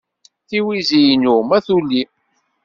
tiwizi-inu ma tuli.